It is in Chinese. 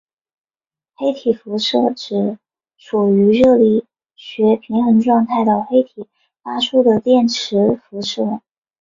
黑体辐射指处于热力学平衡态的黑体发出的电磁辐射。